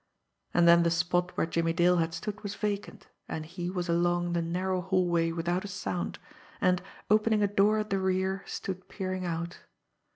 And then the spot where Jimmie Dale had stood was vacant, and he was along the narrow hallway without a sound, and, opening a door at the rear, stood peering out.